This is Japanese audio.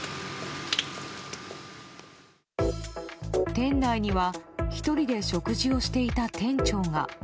店内には１人で食事をしていた店長が。